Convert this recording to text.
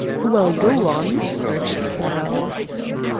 "Well, go on," urged Carroll.